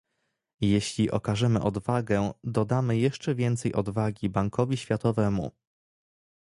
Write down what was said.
Jeśli okażemy odwagę, dodamy jeszcze więcej odwagi Bankowi Światowemu